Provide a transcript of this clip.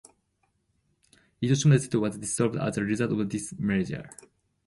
Itoshima District was dissolved as a result of this merger.